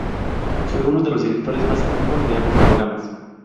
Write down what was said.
Fue uno de los directores más activos de ambos programas.